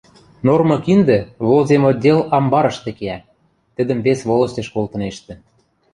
— Нормы киндӹ волземотдел амбарышты киӓ, тӹдӹм вес волостьыш колтынештӹ.